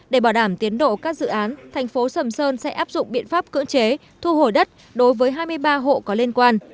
để bảo đảm tiến độ các dự án thành phố sầm sơn sẽ áp dụng biện pháp cưỡng chế thu hồi đất đối với hai mươi ba hộ có liên quan